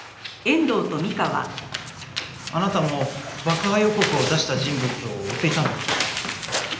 あなたも爆破予告を出した人物を追っていたんですか？